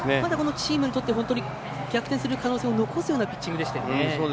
チームにとって逆転する可能性を残すピッチングでしたよね。